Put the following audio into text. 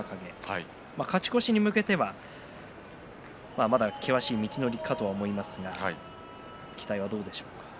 勝ち越しに向けてはまだ険しい道のりかとは思いますが期待はどうですか。